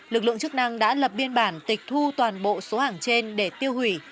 lực lượng chức năng đã lập biên bản tịch thu toàn bộ số hàng trên để tiêu hủy